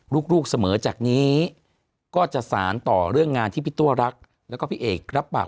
ลูกเสมอจากนี้ก็จะสารต่อเรื่องงานที่พี่ตัวรักแล้วก็พี่เอกรับปาก